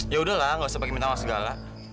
yaudah lah gak usah pake minta minta segala